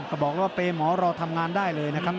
ก็บอกว่าเปย์หมอรอทำงานได้เลยนะครับ